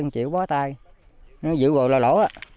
chịu bó tay dữ gồm là lỗ